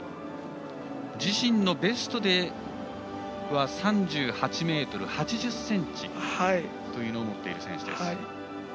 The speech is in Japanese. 自身のベストでは３８ｍ８０ｃｍを持っている選手です。